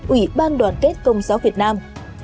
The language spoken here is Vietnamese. ủy ban đoàn kết công giáo việt nam